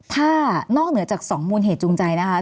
ถ้านอกเหนือจาก๒มูลเหตุจูงใจนะคะ